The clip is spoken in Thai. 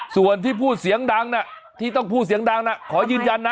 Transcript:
ส่วนที่พูดเสียงดังที่ต้องพูดเสียงดังขอยืนยันนะ